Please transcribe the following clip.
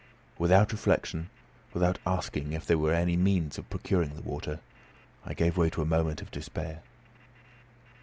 Without reflection, without asking if there were any means of procuring the water, I gave way to a movement of despair.